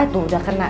tuh udah kena nih